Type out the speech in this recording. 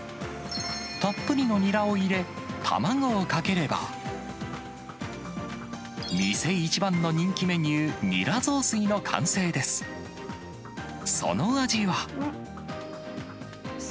たっぷりのニラを入れ、卵をかければ、店一番の人気メニュー、にら雑炊の完成です。